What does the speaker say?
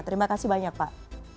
terima kasih banyak pak